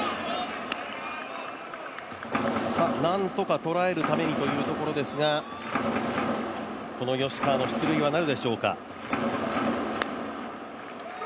なんとか捉えるためにというところですが、この吉川の出塁はなるでしょうか。